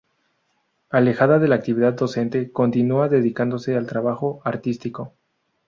Alejada de la actividad docente, continúa dedicándose al trabajo artístico.